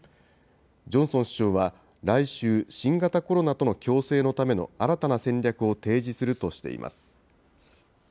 ジョンソン首相は来週、新型コロナとの共生のための新たな戦略を提示するとしています。